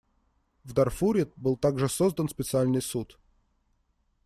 В Дарфуре был также создан специальный суд.